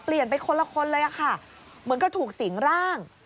เปลี่ยนไปคนละคนเลยค่ะเหมือนกับถูกสิงร่าง